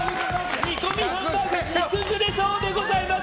煮込みハンバー崩れそうでございます！